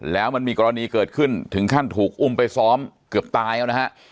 แล้วมันมีกรณีเกิดขึ้นถึงขั้นถูกอุ้มไปซ้อมเกือบตายเอานะฮะ